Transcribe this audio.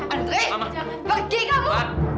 andri pergi kamu